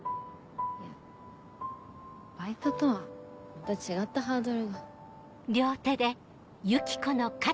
いやバイトとはまた違ったハードルが。